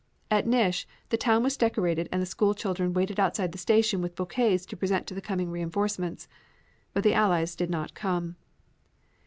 At Nish the town was decorated and the school children waited outside the station with bouquets to present to the coming reinforcements. But the Allies did not come.